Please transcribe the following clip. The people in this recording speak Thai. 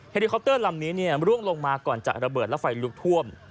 ฮอล์ลำนี้ร่วงลงมาก่อนจากระเบิดและไฟลุกท่วม